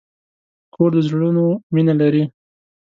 کور د زړونو مینه لري.